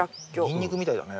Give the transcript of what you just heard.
ニンニクみたいだね。